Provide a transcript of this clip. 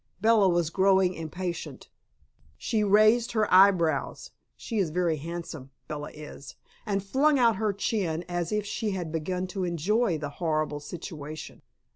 Bella was growing impatient. She raised her eyebrows (she is very handsome, Bella is) and flung out her chin as if she had begun to enjoy the horrible situation.